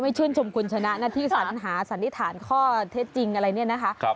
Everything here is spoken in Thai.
ชื่นชมคุณชนะนะที่สัญหาสันนิษฐานข้อเท็จจริงอะไรเนี่ยนะคะ